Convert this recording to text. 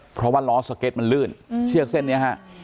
เพราะว่าล้อสเก็ตมันลื่นเชือกเส้นนี้ฮะ